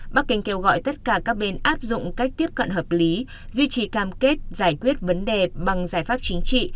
bắc kinh kêu gọi tất cả các bên áp dụng cách tiếp cận hợp lý duy trì cam kết giải quyết vấn đề bằng giải pháp chính trị